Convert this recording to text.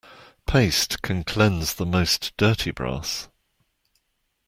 Paste can cleanse the most dirty brass.